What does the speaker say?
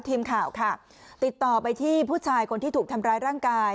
ทีมข่าวค่ะติดต่อไปที่ผู้ชายคนที่ถูกทำร้ายร่างกาย